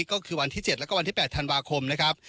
ก็คือวันที่๗แล้วก็วันที่๘ธันวาคมนะครับ